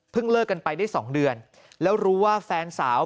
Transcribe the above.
ไปได้๒เดือนแล้วรู้ว่าแฟนสาว